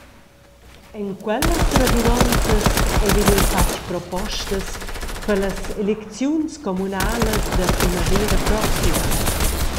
En quellas radunonzas ei vegniu fatg propostas per las elecziuns communalas da primavera proxima.